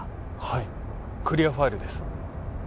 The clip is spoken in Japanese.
はいクリアファイルです